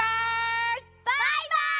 バイバイ！